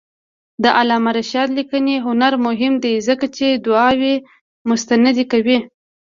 د علامه رشاد لیکنی هنر مهم دی ځکه چې ادعاوې مستندې کوي.